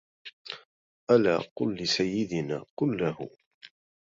ألا قل لسيدنا قل له